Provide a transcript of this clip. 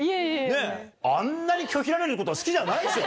あんなに拒否られるってことは好きじゃないでしょ？